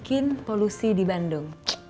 bikin polusi di bandung